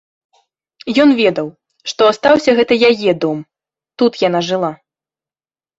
Ён ведаў, што астаўся гэта яе дом, тут яна жыла.